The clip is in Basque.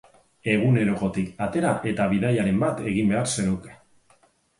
Egunerokotik atera eta bidaiaren bat egin behar zenuke.